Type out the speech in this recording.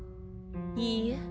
いいえ。